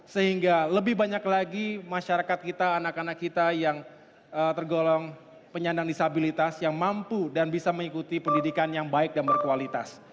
sehingga lebih banyak lagi masyarakat kita anak anak kita yang tergolong penyandang disabilitas yang mampu dan bisa mengikuti pendidikan yang baik dan berkualitas